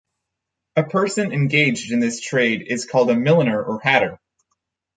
A person engaged in this trade is called a milliner or hatter.